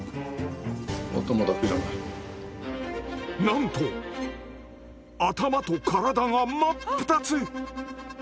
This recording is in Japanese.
なんと頭と体が真っ二つ！